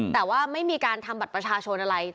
แต่ว่าไม่มีการทำบัตรประชาชนอะไร